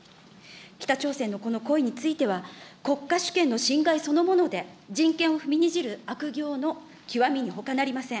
北朝鮮のこの行為については、国家主権の侵害そのもので、人権を踏みにじる悪行の極みにほかなりません。